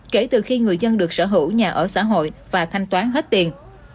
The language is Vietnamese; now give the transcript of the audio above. kể từ khi người dân được sở hữu nhà ở xã hội và thanh toán hết tiền